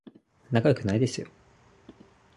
仲良くないですよ